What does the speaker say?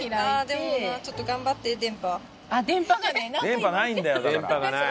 電波ないんだよだから。